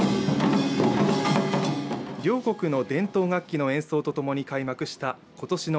両国の伝統楽器の演奏とともに開幕した今年の